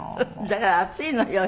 だから暑いのよ。